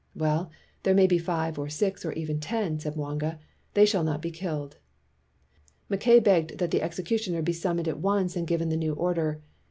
'' "Well, there may be five or six or even ten," said Mwanga, "they shall not be killed." Mackay begged that the executioner be summoned at once and given the new order.